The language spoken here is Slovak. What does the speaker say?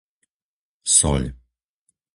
Soľ